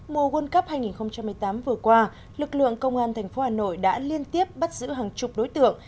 mùa world cup hai nghìn một mươi tám vừa qua lực lượng công an tp hà nội đã liên tiếp bắt giữ hàng chục đối tượng